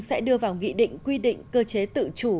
sẽ đưa vào nghị định quy định cơ chế tự chủ